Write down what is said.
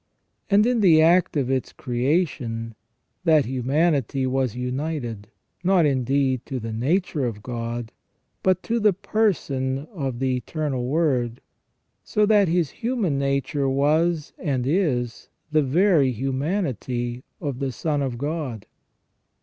And in the act of its creation that humanity was united, not indeed to the nature of God, but to the person of the Eternal Word, so that His human nature was and is the very humanity of the Son of God.